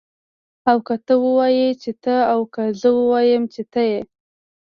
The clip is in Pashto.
او که ته ووايي چې ته او که زه ووایم چه ته يې